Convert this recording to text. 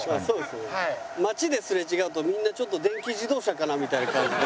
街ですれ違うとみんなちょっと電気自動車かな？みたいな感じで。